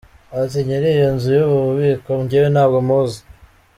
Ati “Nyir’iyo nzu y’ubu biko njyewe ntabwo muzi.